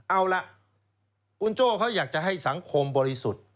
เอาล่ะคุณโจ้เขาอยากจะให้สังคมบริสุทธิ์